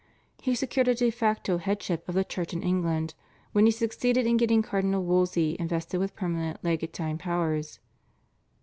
He secured a /de facto/ headship of the Church in England when he succeeded in getting Cardinal Wolsey invested with permanent legatine powers.